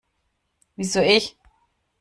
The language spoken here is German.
Wieso ich?